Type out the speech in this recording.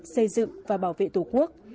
xây dựng và bảo vệ tổ quốc